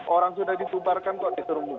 orang sudah dibubarkan kok